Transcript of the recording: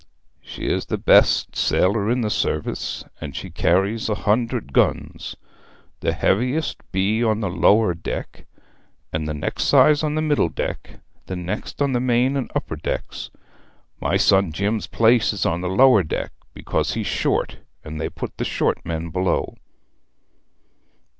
'She is the best sailer in the service, and she carries a hundred guns. The heaviest be on the lower deck, the next size on the middle deck, the next on the main and upper decks. My son Ned's place is on the lower deck, because he's short, and they put the short men below.'